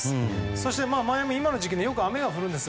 そして、マイアミは今の時期よく雨が降るんです。